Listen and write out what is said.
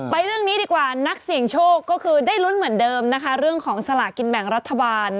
เรื่องนี้ดีกว่านักเสี่ยงโชคก็คือได้ลุ้นเหมือนเดิมนะคะเรื่องของสลากินแบ่งรัฐบาล